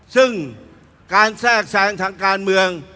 ซึ่งการแทรกแทรงทางการเมือง